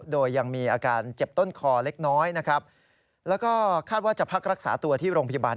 โดยยังมีอาการเจ็บต้นคอเล็กน้อยนะครับแล้วก็คาดว่าจะพักรักษาตัวที่โรงพยาบาล